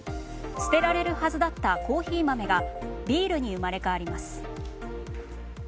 捨てられるはずだったコーヒー豆がビールに生まれ変わります。